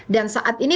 dan saat ini